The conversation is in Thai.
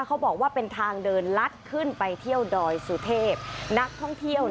เขาบอกว่าเป็นทางเดินลัดขึ้นไปเที่ยวดอยสุเทพนักท่องเที่ยว